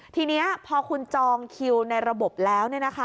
ทีนี้พอคุณจองคิวในระบบแล้ว